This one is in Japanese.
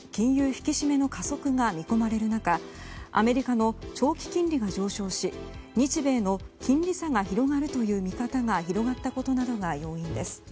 引き締めの加速が見込まれる中アメリカの長期金利が上昇し日米の金利差が広がるという見方が広がったことなどが要因です。